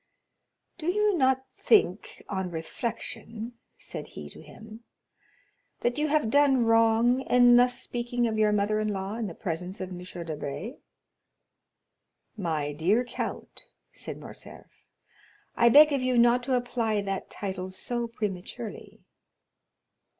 "Do you not think, on reflection," said he to him, "that you have done wrong in thus speaking of your mother in law in the presence of M. Debray?" "My dear count," said Morcerf, "I beg of you not to apply that title so prematurely."